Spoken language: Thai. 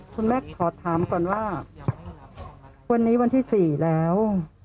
คุณแม่ขอถามก่อนว่าวันนี้วันที่๔แล้ว